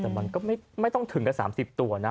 แต่มันก็ไม่ต้องถึงกับ๓๐ตัวนะ